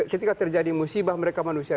ketika terjadi musibah mereka manusia